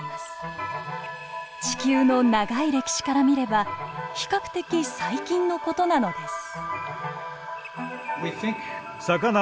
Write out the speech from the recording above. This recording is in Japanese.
地球の長い歴史から見れば比較的最近の事なのです。